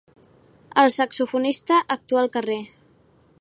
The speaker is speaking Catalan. El saxofonista actua al carrer.